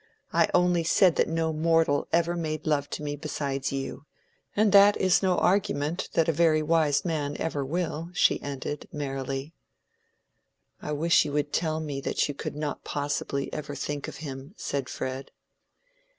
"I only said that no mortal ever made love to me besides you. And that is no argument that a very wise man ever will," she ended, merrily. "I wish you would tell me that you could not possibly ever think of him," said Fred.